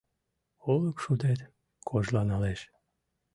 Олык шудет кожланалеш.